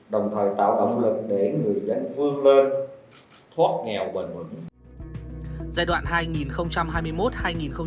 đồng thời tạo động lực để người dân phương lên thoát nghèo bền vững